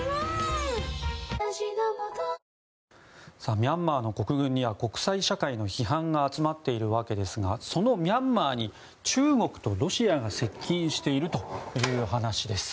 ミャンマーと国軍には国際社会の批判が集まっているわけですがそのミャンマーに中国とロシアが接近しているという話です。